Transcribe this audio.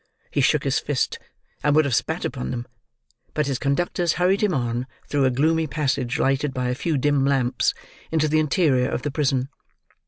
He shook his fist, and would have spat upon them; but his conductors hurried him on, through a gloomy passage lighted by a few dim lamps, into the interior of the prison.